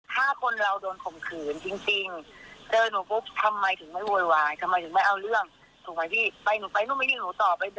จึงยังว่าไม่เคยเอานางไปเสิร์ฟให้ใคร